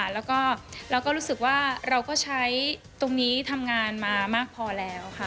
แล้วก็เราก็รู้สึกว่าเราก็ใช้ตรงนี้ทำงานมามากพอแล้วค่ะ